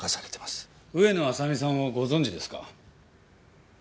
上野亜沙美さんをご存じですか？